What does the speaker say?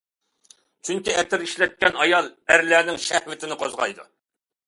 چۈنكى ئەتىر ئىشلەتكەن ئايال ئەرلەرنىڭ ئىستىكىنى قوزغايدۇ.